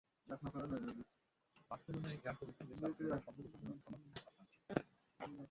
বার্সেলোনায় যা করেছিলে তার জন্য সম্ভবত তোমার ক্ষমা করতে পারতাম।